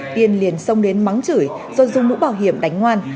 tiên liền sông đến mắng chửi do dung mũ bảo hiểm đánh ngoan